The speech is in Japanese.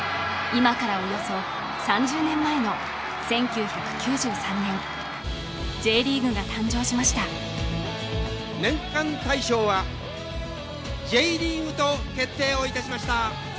今からおよそ３０年前の１９９３年Ｊリーグが誕生しました年間大賞は「Ｊリーグ」と決定をいたしました